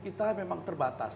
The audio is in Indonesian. kita memang terbatas